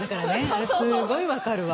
あれすっごい分かるわ。